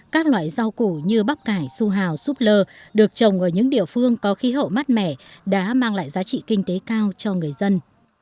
các loại rau củ như bắp cải su hào súp lơ được trồng ở những địa phương có khí hậu mát mẻ đã mang lại giá trị kinh tế cao cho người dân